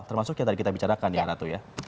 termasuk yang tadi kita bicarakan ya ratu ya